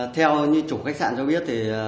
theo chủ khách sạn cho biết